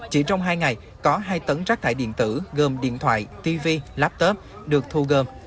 chỉ trong hai ngày có hai tấn rác thải điện tử gồm điện thoại tv laptop được thu gom